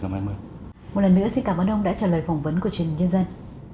một lần nữa xin cảm ơn ông đã trả lời phỏng vấn của truyền hình nhân dân